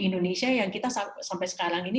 indonesia yang kita sampai sekarang ini